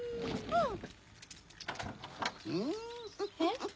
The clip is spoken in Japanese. うん。